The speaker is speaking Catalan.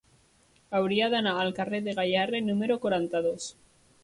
Hauria d'anar al carrer de Gayarre número quaranta-dos.